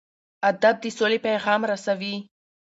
ادب د سولې پیغام رسوي.